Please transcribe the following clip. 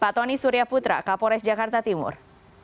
pak tony suryaputra kapolres jakarta timur